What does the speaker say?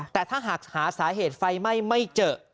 แต่ถ้าหากหาสาเหตุไฟไหม้ไม่เจอ